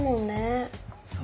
そう。